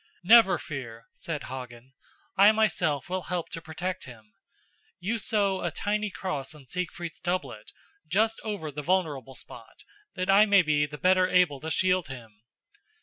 "Never fear," said Hagen, "I myself will help to protect him. You sew a tiny cross on Siegfried's doublet, just over the vulnerable spot, that I may be the better able to shield him."